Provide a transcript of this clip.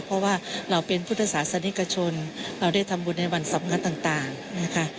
เพราะว่าเราเป็นพุทธศาสนิกชนเราได้ทำบุญในวันสำคัญต่างนะคะ